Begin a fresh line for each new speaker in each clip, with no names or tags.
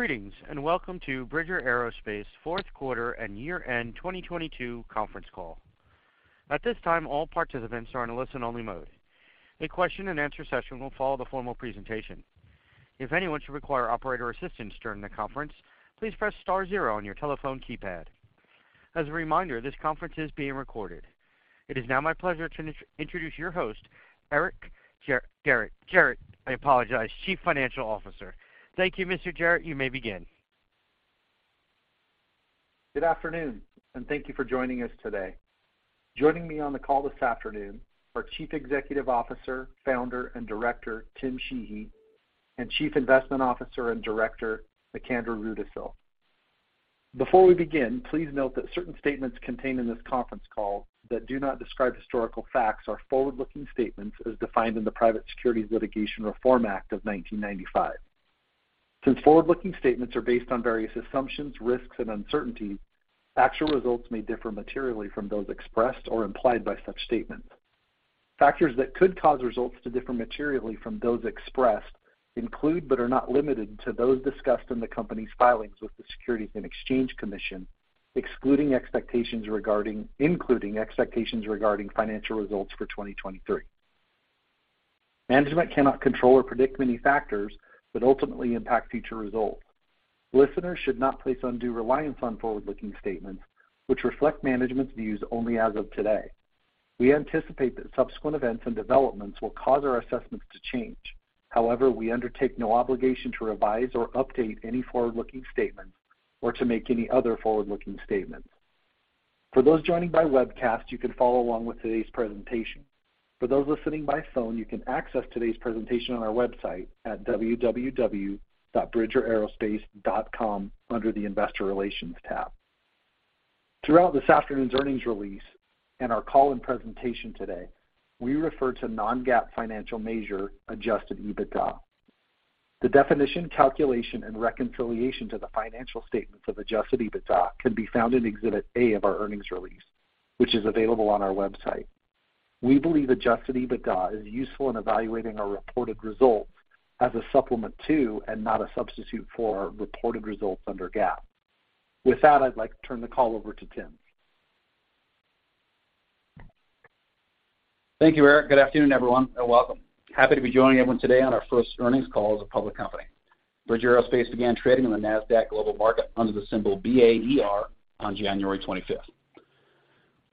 Greetings, welcome to Bridger Aerospace Fourth Quarter and Year-End 2022 Conference Call. At this time, all participants are in a listen-only mode. A question and answer session will follow the formal presentation. If anyone should require operator assistance during the conference, please press star zero on your telephone keypad. As a reminder, this conference is being recorded. It is now my pleasure to introduce your host, Eric Gerratt. Gerratt, I apologize, Chief Financial Officer. Thank you, Mr. Gerratt. You may begin.
Good afternoon, and thank you for joining us today. Joining me on the call this afternoon are Chief Executive Officer, Founder, and Director, Tim Sheehy, and Chief Investment Officer and Director, McAndrew Rudisill. Before we begin, please note that certain statements contained in this conference call that do not describe historical facts are forward-looking statements as defined in the Private Securities Litigation Reform Act of 1995. Since forward-looking statements are based on various assumptions, risks, and uncertainties, actual results may differ materially from those expressed or implied by such statements. Factors that could cause results to differ materially from those expressed include but are not limited to those discussed in the company's filings with the Securities and Exchange Commission, including expectations regarding financial results for 2023. Management cannot control or predict many factors that ultimately impact future results. Listeners should not place undue reliance on forward-looking statements which reflect management's views only as of today. We anticipate that subsequent events and developments will cause our assessments to change. However, we undertake no obligation to revise or update any forward-looking statements or to make any other forward-looking statements. For those joining by webcast, you can follow along with today's presentation. For those listening by phone, you can access today's presentation on our website at www.bridgeraerospace.com under the Investor Relations tab. Throughout this afternoon's earnings release and our call and presentation today, we refer to non-GAAP financial measure adjusted EBITDA. The definition, calculation, and reconciliation to the financial statements of adjusted EBITDA can be found in Exhibit A of our earnings release, which is available on our website. We believe adjusted EBITDA is useful in evaluating our reported results as a supplement to and not a substitute for our reported results under GAAP. With that, I'd like to turn the call over to Tim.
Thank you, Eric. Good afternoon, everyone, and welcome. Happy to be joining everyone today on our first earnings call as a public company. Bridger Aerospace began trading on the Nasdaq Global Market under the symbol BAER on 25 January.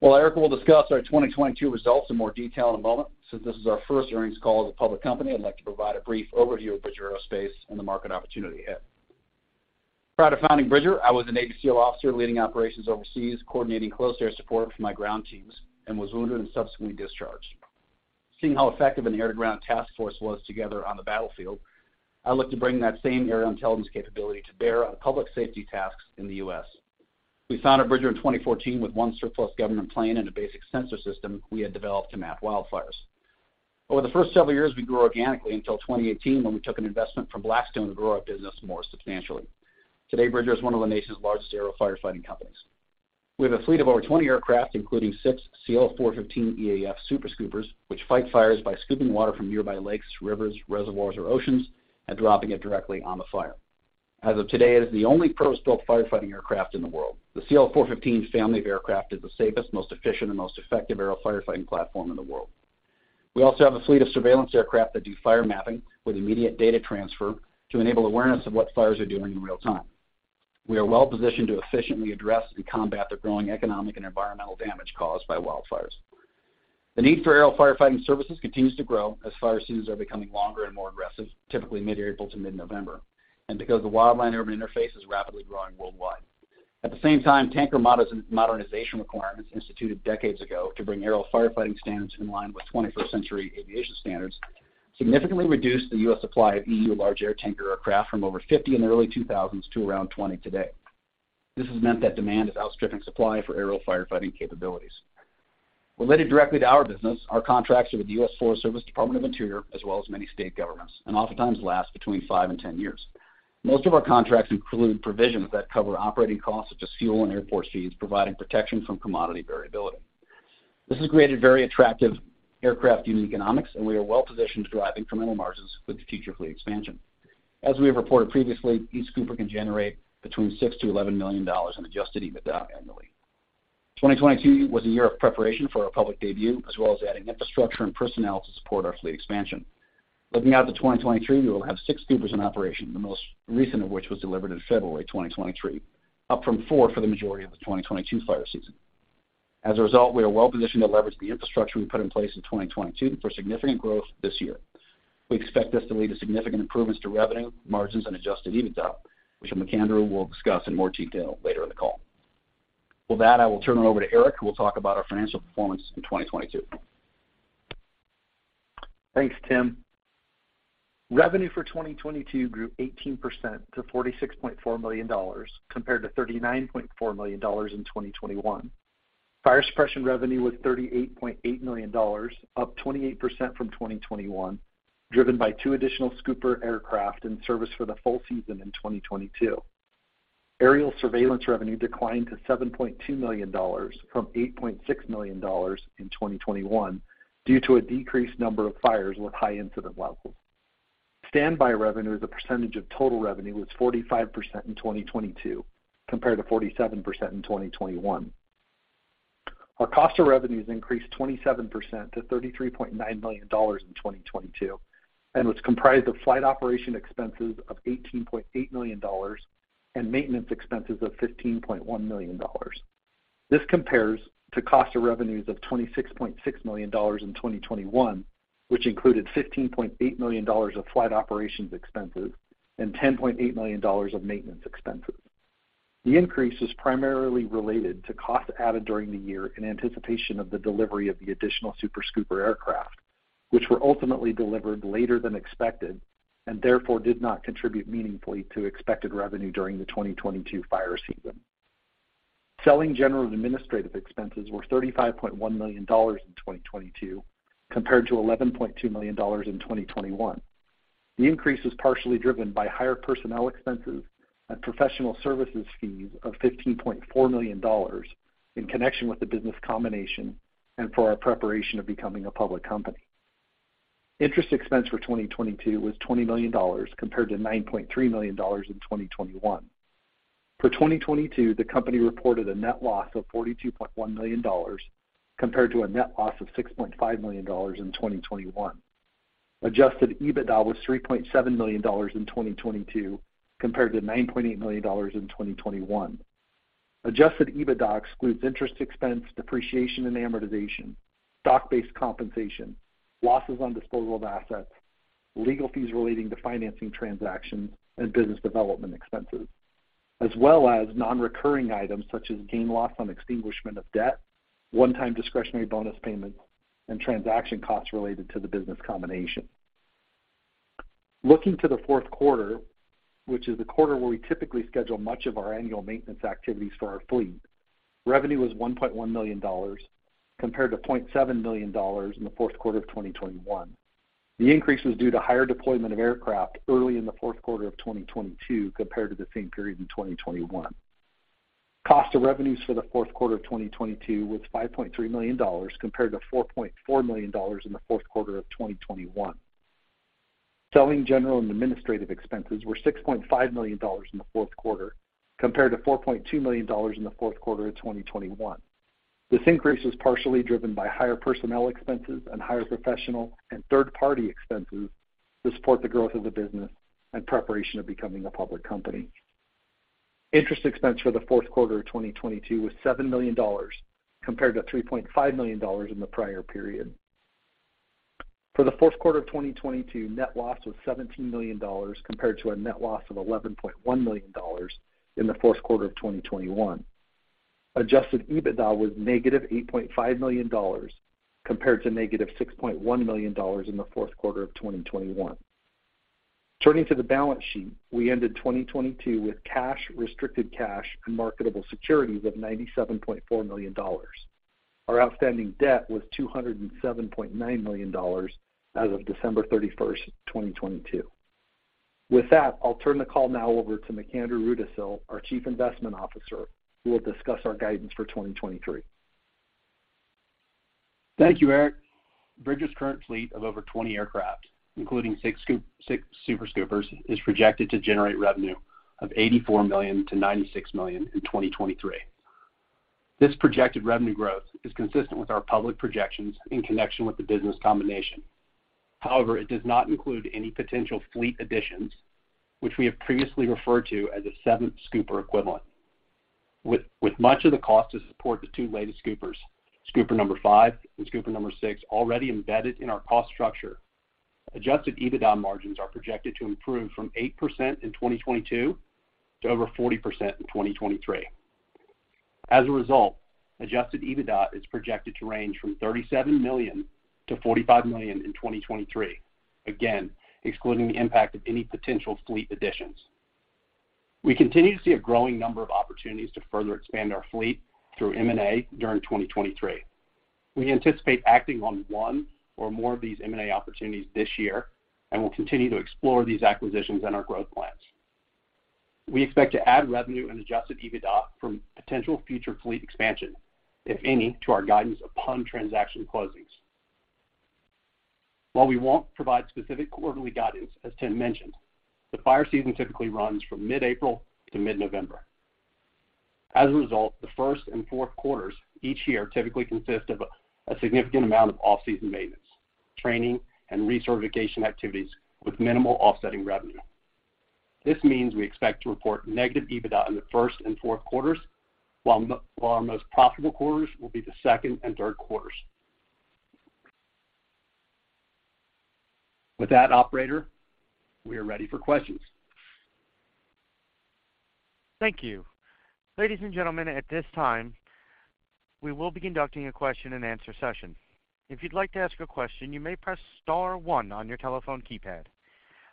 While Eric will discuss our 2022 results in more detail in a moment, since this is our first earnings call as a public company, I'd like to provide a brief overview of Bridger Aerospace and the market opportunity ahead. Prior to founding Bridger, I was a Navy SEAL officer leading operations overseas, coordinating close air support for my ground teams, and was wounded and subsequently discharged. Seeing how effective an air-to-ground task force was together on the battlefield, I looked to bring that same aerial intelligence capability to bear on public safety tasks in the U.S. We founded Bridger in 2014 with one surplus government plane and a basic sensor system we had developed to map wildfires. Over the first several years, we grew organically until 2018 when we took an investment from Blackstone to grow our business more substantially. Today, Bridger is one of the nation's largest aerial firefighting companies. We have a fleet of over 20 aircraft, including six CL-415EAF Super Scoopers, which fight fires by scooping water from nearby lakes, rivers, reservoirs, or oceans and dropping it directly on the fire. As of today, it is the only purpose-built firefighting aircraft in the world. The CL-415 family of aircraft is the safest, most efficient, and most effective aerial firefighting platform in the world. We also have a fleet of surveillance aircraft that do fire mapping with immediate data transfer to enable awareness of what fires are doing in real time. We are well-positioned to efficiently address and combat the growing economic and environmental damage caused by wildfires. The need for aerial firefighting services continues to grow as fire seasons are becoming longer and more aggressive, typically mid-April to mid-November, and because the wildland-urban interface is rapidly growing worldwide. At the same time, modernization requirements instituted decades ago to bring aerial firefighting standards in line with twenty-first century aviation standards significantly reduced the U.S. supply of EU large air tanker aircraft from over 50 in the early 2000s to around 20 today. This has meant that demand is outstripping supply for aerial firefighting capabilities. Related directly to our business, our contracts are with the U.S. Forest Service, Department of the Interior, as well as many state governments, and oftentimes last between five and 10 years. Most of our contracts include provisions that cover operating costs such as fuel and airport fees, providing protection from commodity variability. This has created very attractive aircraft unit economics, and we are well-positioned to drive incremental margins with future fleet expansion. As we have reported previously, each scooper can generate between $6 million-$11 million in adjusted EBITDA annually. 2022 was a year of preparation for our public debut, as well as adding infrastructure and personnel to support our fleet expansion. Looking out to 2023, we will have six scoopers in operation, the most recent of which was delivered in February 2023, up from four for the majority of the 2022 fire season. As a result, we are well-positioned to leverage the infrastructure we put in place in 2022 for significant growth this year. We expect this to lead to significant improvements to revenue, margins, and adjusted EBITDA, which McAndrew will discuss in more detail later in the call. With that, I will turn it over to Eric, who will talk about our financial performance in 2022.
Thanks, Tim. Revenue for 2022 grew 18% to $46.4 million compared to $39.4 million in 2021. Fire suppression revenue was $38.8 million, up 28% from 2021, driven by two additional scooper aircraft in service for the full season in 2022. Aerial surveillance revenue declined to $7.2 million from $8.6 million in 2021 due to a decreased number of fires with high incident levels. Standby revenue as a percentage of total revenue was 45% in 2022 compared to 47% in 2021. Our cost of revenues increased 27% to $33.9 million in 2022, and was comprised of flight operation expenses of $18.8 million and maintenance expenses of $15.1 million. This compares to cost of revenues of $26.6 million in 2021, which included $15.8 million of flight operations expenses and $10.8 million of maintenance expenses. The increase is primarily related to cost added during the year in anticipation of the delivery of the additional Super Scooper aircraft, which were ultimately delivered later than expected and therefore did not contribute meaningfully to expected revenue during the 2022 fire season. Selling, general, and administrative expenses were $35.1 million in 2022 compared to $11.2 million in 2021. The increase was partially driven by higher personnel expenses and professional services fees of $15.4 million in connection with the business combination and for our preparation of becoming a public company. Interest expense for 2022 was $20 million compared to $9.3 million in 2021. For 2022, the company reported a net loss of $42.1 million compared to a net loss of $6.5 million in 2021. Adjusted EBITDA was $3.7 million in 2022 compared to $9.8 million in 2021. Adjusted EBITDA excludes interest expense, depreciation and amortization, stock-based compensation, losses on disposal of assets, legal fees relating to financing transactions and business development expenses, as well as non-recurring items such as gain loss on extinguishment of debt, one-time discretionary bonus payments, and transaction costs related to the business combination. Looking to the fourth quarter, which is the quarter where we typically schedule much of our annual maintenance activities for our fleet, revenue was $1.1 million compared to $0.7 million in the fourth quarter of 2021. The increase was due to higher deployment of aircraft early in the fourth quarter of 2022 compared to the same period in 2021. Cost of revenues for the fourth quarter of 2022 was $5.3 million compared to $4.4 million in the fourth quarter of 2021. Selling, general, and administrative expenses were $6.5 million in the fourth quarter compared to $4.2 million in the fourth quarter of 2021. This increase was partially driven by higher personnel expenses and higher professional and third-party expenses to support the growth of the business and preparation of becoming a public company. Interest expense for the fourth quarter of 2022 was $7 million compared to $3.5 million in the prior period. For the fourth quarter of 2022, net loss was $17 million compared to a net loss of $11.1 million in the fourth quarter of 2021. Adjusted EBITDA was negative $8.5 million compared to negative $6.1 million in the fourth quarter of 2021. Turning to the balance sheet, we ended 2022 with cash, restricted cash, and marketable securities of $97.4 million. Our outstanding debt was $207.9 million as of December 31st, 2022. With that, I'll turn the call now over to McAndrew Rudisill, our Chief Investment Officer, who will discuss our guidance for 2023.
Thank you, Eric. Bridger's current fleet of over 20 aircraft, including six Super Scoopers, is projected to generate revenue of $84 million-$96 million in 2023. This projected revenue growth is consistent with our public projections in connection with the business combination. However, it does not include any potential fleet additions which we have previously referred to as a seventh Scooper equivalent. With much of the cost to support the two latest Scoopers, Scooper number five and Scooper number six, already embedded in our cost structure, adjusted EBITDA margins are projected to improve from 8% in 2022 to over 40% in 2023. As a result, adjusted EBITDA is projected to range from $37 million-$45 million in 2023. Again, excluding the impact of any potential fleet additions. We continue to see a growing number of opportunities to further expand our fleet through M&A during 2023. We anticipate acting on one or more of these M&A opportunities this year. We'll continue to explore these acquisitions in our growth plans. We expect to add revenue and adjusted EBITDA from potential future fleet expansion, if any, to our guidance upon transaction closings. While we won't provide specific quarterly guidance, as Tim mentioned, the fire season typically runs from mid-April to mid-November. As a result, the first and fourth quarters each year typically consist of a significant amount of off-season maintenance, training, and recertification activities with minimal offsetting revenue. This means we expect to report negative EBITDA in the first and fourth quarters, while our most profitable quarters will be the second and third quarters. With that, operator, we are ready for questions.
Thank you. Ladies and gentlemen, at this time, we will be conducting a question-and-answer session. If you'd like to ask a question, you may press star one on your telephone keypad.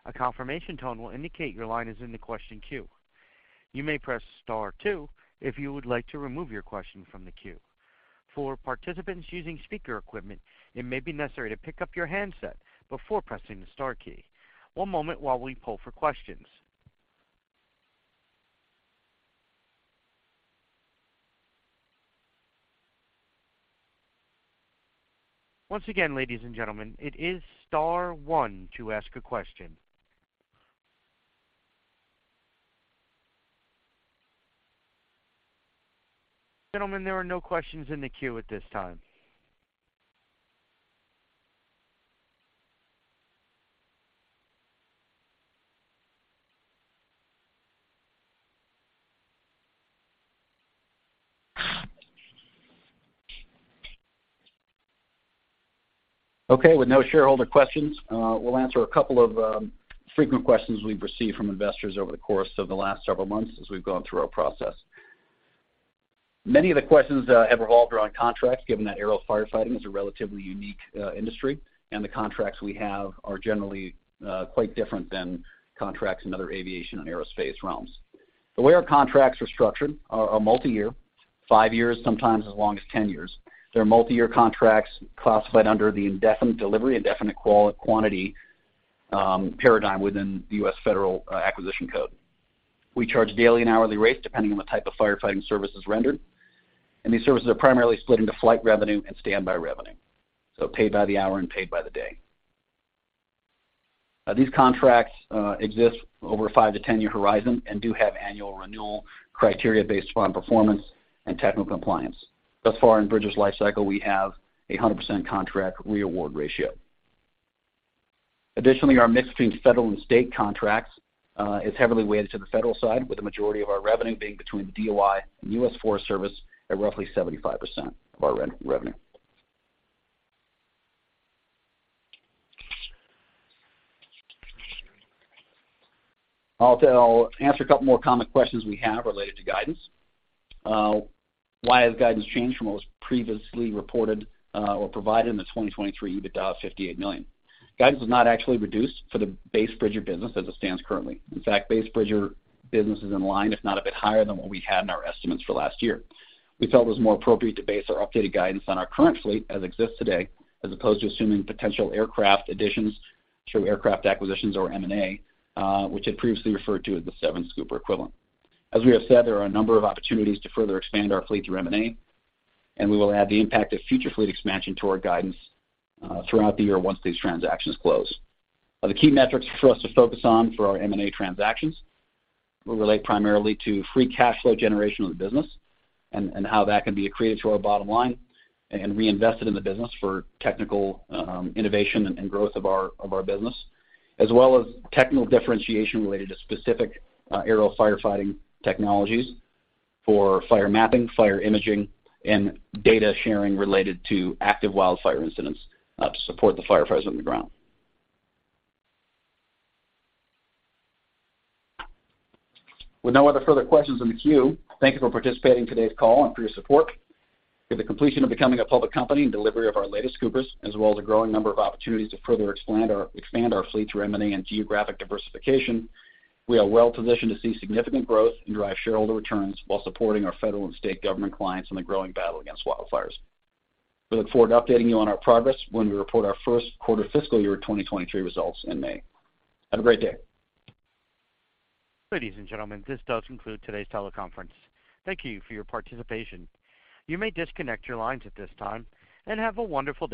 A confirmation tone will indicate your line is in the question queue. You may press star two if you would like to remove your question from the queue. For participants using speaker equipment, it may be necessary to pick up your handset before pressing the star key. One moment while we pull for questions. Once again, ladies and gentlemen, it is star one to ask a question. Gentlemen, there are no questions in the queue at this time.
Okay. With no shareholder questions, we'll answer a couple of frequent questions we've received from investors over the course of the last several months as we've gone through our process. Many of the questions have revolved around contracts, given that aerial firefighting is a relatively unique industry, and the contracts we have are generally quite different than contracts in other aviation and aerospace realms. The way our contracts are structured are multi-year, five years, sometimes as long as 10 years. They're multi-year contracts classified under the indefinite delivery, indefinite quantity paradigm within the U.S. Federal Acquisition Regulation. We charge daily and hourly rates depending on the type of firefighting services rendered, and these services are primarily split into flight revenue and standby revenue, so paid by the hour and paid by the day. These contracts exist over a 5-10 year horizon and do have annual renewal criteria based upon performance and technical compliance. Thus far in Bridger's lifecycle, we have a 100% contract re-award ratio. Additionally, our mix between federal and state contracts is heavily weighted to the federal side, with the majority of our revenue being between the DOI and U.S. Forest Service at roughly 75% of our revenue. I'll answer a couple more common questions we have related to guidance. Why has guidance changed from what was previously reported or provided in the 2023 EBITDA of $58 million? Guidance was not actually reduced for the base Bridger business as it stands currently. In fact, base Bridger business is in line, if not a bit higher than what we had in our estimates for last year. We felt it was more appropriate to base our updated guidance on our current fleet as exists today, as opposed to assuming potential aircraft additions through aircraft acquisitions or M&A, which had previously referred to as the seven Super Scooper equivalent. As we have said, there are a number of opportunities to further expand our fleet through M&A, and we will add the impact of future fleet expansion to our guidance throughout the year once these transactions close. The key metrics for us to focus on for our M&A transactions will relate primarily to free cash flow generation of the business and how that can be accretive to our bottom line and reinvested in the business for technical innovation and growth of our business, as well as technical differentiation related to specific aero firefighting technologies for fire mapping, fire imaging, and data sharing related to active wildfire incidents to support the firefighters on the ground. With no other further questions in the queue, thank you for participating in today's call and for your support. With the completion of becoming a public company and delivery of our latest Super Scoopers, as well as a growing number of opportunities to further expand our fleet through M&A and geographic diversification, we are well positioned to see significant growth and drive shareholder returns while supporting our federal and state government clients in the growing battle against wildfires. We look forward to updating you on our progress when we report our first quarter fiscal year 2023 results in May. Have a great day.
Ladies and gentlemen, this does conclude today's teleconference. Thank you for your participation. You may disconnect your lines at this time, and have a wonderful day.